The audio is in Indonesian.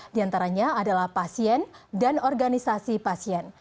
di antaranya adalah pasien dan organisasi pasien